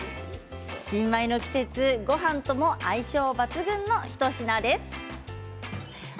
新米の季節、ごはんとも相性抜群の一品です。